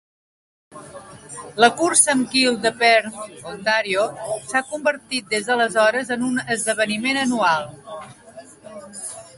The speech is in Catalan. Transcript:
La cursa amb kilt de Perth, Ontario, s'ha convertit des d'aleshores en un esdeveniment anual.